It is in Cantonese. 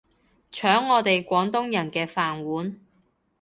搶我哋廣東人嘅飯碗